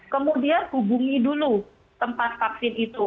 kemudian hubungi dulu tempat vaksin itu